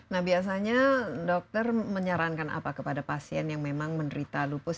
nah biasanya dokter menyarankan apa kepada pasien yang memang menderita lupus